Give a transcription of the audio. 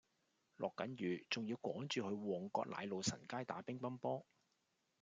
落緊雨仲要趕住去旺角奶路臣街打乒乓波